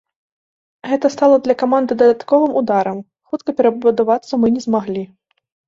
Гэта стала для каманды дадатковым ударам, хутка перабудавацца мы не змаглі.